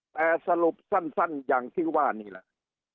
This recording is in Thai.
แต่สรุปสั้นอย่างที่ว่านี่แหละ